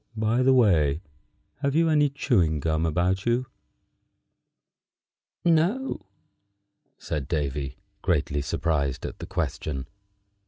By the way, have you any chewing gum about you?" "No," said Davy, greatly surprised at the question.